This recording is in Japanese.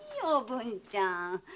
おぶんちゃん。